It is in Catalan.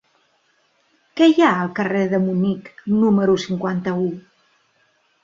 Què hi ha al carrer de Munic número cinquanta-u?